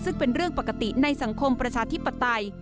ซึ่งเป็นเรื่องปกติในสังคมประชาธิปไตย